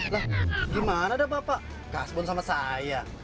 nah gimana dah bapak kasbon sama saya